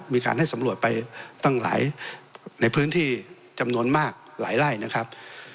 มีการให้สำรวจไปตั้งหลายในพื้นที่จำนวนมากหลายไร่นะครับ